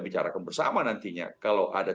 bicarakan bersama nantinya kalau ada